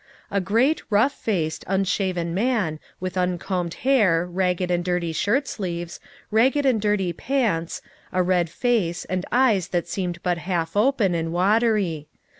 A great rough faced, unshaven man, with un combed hair, ragged and dirty shirt sleeves, ragged and dirty pants, a red face and eyes that seemed but half open, and watery.